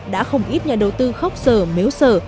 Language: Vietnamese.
đã không ít nhà đầu tư khóc sở méo sở